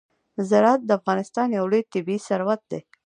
زراعت د افغانستان یو لوی طبعي ثروت دی.